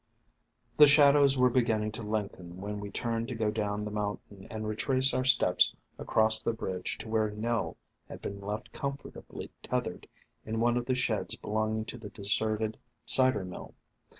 The shadows were beginning to lengthen when we turned to go down the mountain and retrace our steps across the bridge to where Nell had been left comfortably tethered in one of the sheds belong ing to the deserted cider mill.